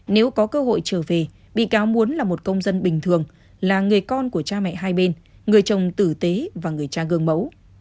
nếu có cơ hội trở về bị cáo muốn là một công dân bình thường là người con của cha mẹ hai bên người chồng tử tế và người cha gương mẫu